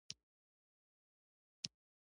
دا ستوري په تور اسمان کې ډیر روښانه ځلیږي